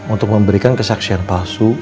untuk memberikan kesaksian palsu